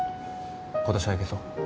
今年はいけそう？